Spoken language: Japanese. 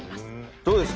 どうですか？